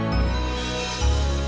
tentu saja dengan mimpi cupang